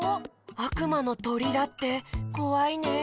あくまのとりだってこわいねえ。